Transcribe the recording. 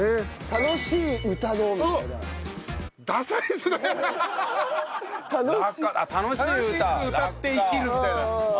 楽しく歌って生きるみたいな。